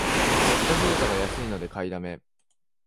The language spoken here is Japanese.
ペットフードが安いので買いだめ